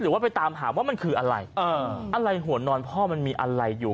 หรือว่าไปตามหาว่ามันคืออะไรอะไรหัวนอนพ่อมันมีอะไรอยู่